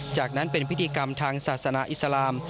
จากนั้นเป็นพิธีกรรมทางศาสนาอิสลาม